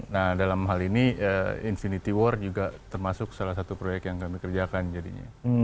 nah dalam hal ini infinity war juga termasuk salah satu proyek yang kami kerjakan jadinya